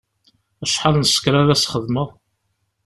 Acḥal n ssker ara as-xedmeɣ?